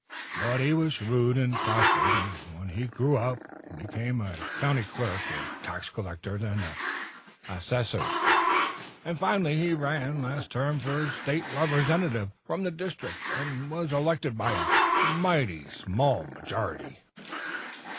But he was shrewd and prospered, and when he grew up became a county clerk or tax collector; then an assessor, and finally he ran last term for State Representative from this district and was elected by a mighty small majority."